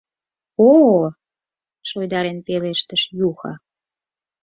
— О-о-о! — шуйдарен пелештыш Юхо.